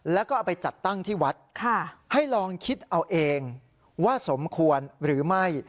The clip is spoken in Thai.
แล้วก็เอาไปจัดตั้งที่วัดให้ลองคิดเอาเองว่าสมควรหรือไม่